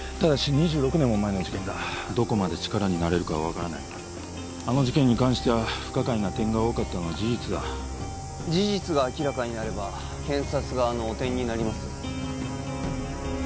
２６年も前の事件だどこまで力になれるかは分からないがあの事件に関しては不可解な点が多かったのは事実だ事実が明らかになれば検察側の汚点になりますよ